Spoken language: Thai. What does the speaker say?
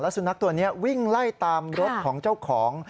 สุนัขตัวนี้วิ่งไล่ตามรถของเจ้าของ